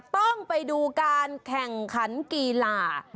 ต้องไปดูการแข่งขันกีฬา